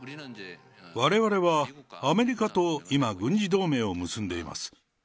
われわれは、アメリカと今、軍事同盟を結んでいます。